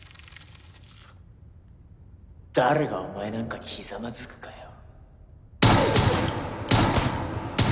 誰がお前なんかにひざまずくかよ